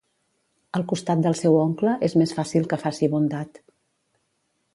Al costat del seu oncle, és més fàcil que faci bondat.